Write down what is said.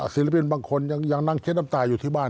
ศิลปินบางคนยังนั่งเช็ดน้ำตาอยู่ที่บ้าน